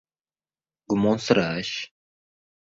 — Gumonsirash.